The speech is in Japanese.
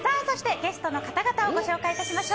ゲストの方々をご紹介します。